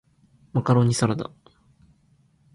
マカロニサラダ